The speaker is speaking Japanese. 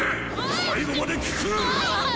最後まで聞く！